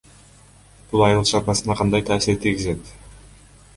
Бул айыл чарбасына кандай таасир тийгизет?